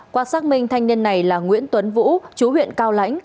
qua xác minh thanh niên này là nguyễn tuấn vũ chú huyện cao lãnh